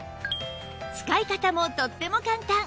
使い方もとっても簡単